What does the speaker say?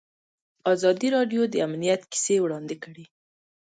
ازادي راډیو د امنیت کیسې وړاندې کړي.